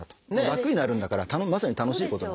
楽になるんだからまさに楽しいこと。